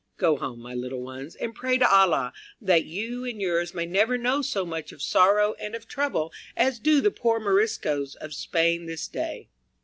Go home, my little ones, and pray to Allah that you and yours may never know so much of sorrow and of trouble as do the poor Moriscoes of Spain this day."